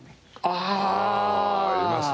ああいますね。